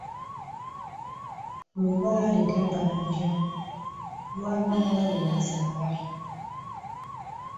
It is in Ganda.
Lubaale tabanja, lwabanula lwazaala.